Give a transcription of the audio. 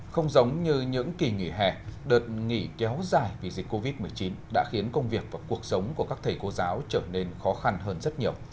không giống như những kỳ nghỉ hè đợt nghỉ kéo dài vì dịch covid một mươi chín đã khiến công việc và cuộc sống của các thầy cô giáo trở nên khó khăn hơn rất nhiều